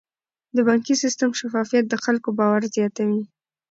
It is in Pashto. د بانکي سیستم شفافیت د خلکو باور زیاتوي.